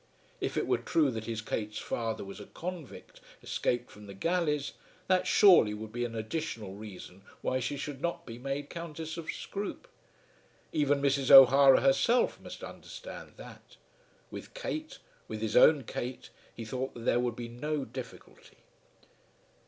If it were true that his Kate's father was a convict escaped from the galleys, that surely would be an additional reason why she should not be made Countess of Scroope. Even Mrs. O'Hara herself must understand that. With Kate, with his own Kate, he thought that there would be no difficulty.